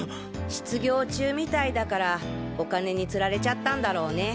失業中みたいだからお金に釣られちゃったんだろうね。